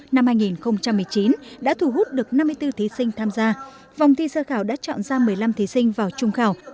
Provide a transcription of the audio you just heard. năm hai nghìn một mươi chín đã thu hút được năm mươi bốn thí sinh tham gia vòng thi sơ khảo đã chọn ra một mươi năm thí sinh vào trung khảo